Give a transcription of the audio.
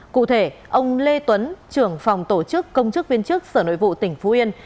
cụ thể ông lê tuấn trưởng phòng tổ chức công chức viên chức sở nội vụ tỉnh phú yên